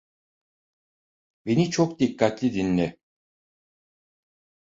Beni çok dikkatli dinle.